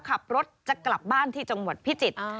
ขับรถจะกลับบ้านที่จังหวัดพิจิตร